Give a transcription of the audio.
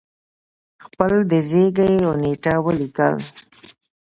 خپل د زیږی و نېټه ولیکل